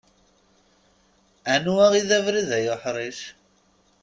Anwa i d abrid ay uḥric?